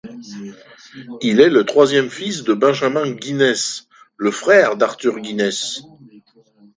Il est le troisième fils de Benjamin Guinness et le frère d'Arthur Guinness.